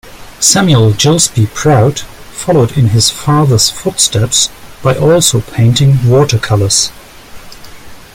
Samuel Gillespie Prout followed in his father's footsteps by also painting watercolours.